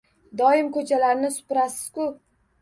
Doim ko‘chalarni suparasiz-ku.